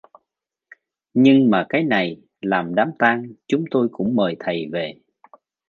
Nhưng mà cái này làm đám tang chúng tôi cũng mời thầy về